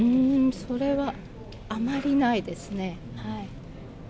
それはあまりないですね。